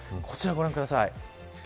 こちらご覧ください。